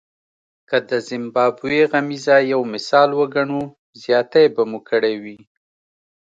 که د زیمبابوې غمیزه یو مثال وګڼو زیاتی به مو کړی وي.